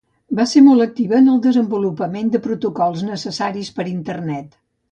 Va ser molt activa en el desenvolupament de protocols necessaris per Internet.